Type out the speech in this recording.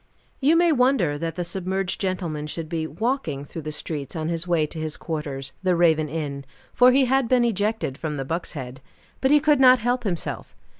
You may wonder that the submerged gentleman should be walking through the streets, on his way to his quarters, the Raven Inn for he had been ejected from the Buck's Head but he could not help himself.